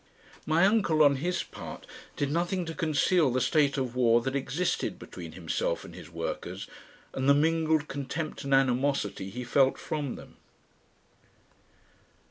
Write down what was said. My uncle on his part did nothing to conceal the state of war that existed between himself and his workers, and the mingled contempt and animosity he felt from them.